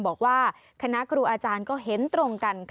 บอกว่าคณะครูอาจารย์ก็เห็นตรงกัน